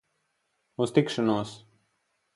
Uz tikšanos!